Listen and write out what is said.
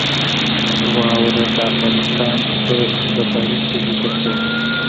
واوره د افغانستان په اوږده تاریخ کې ذکر شوې ده.